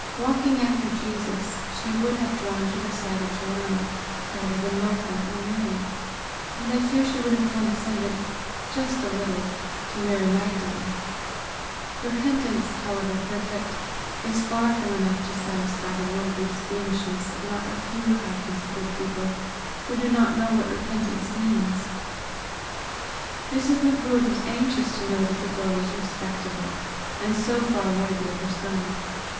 Walking after Jesus, she would have drawn to the side of Joanna rather than Martha or Mary; and I fear she would have condescended just a little to Mary Magdalen: repentance, however perfect, is far from enough to satisfy the worldly squeamishness of not a few high principled people who do not know what repentance means. Mrs. Macruadh was anxious to know that the girl was respectable, and so far worthy of her son.